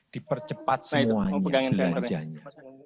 dipercepat semuanya belanjanya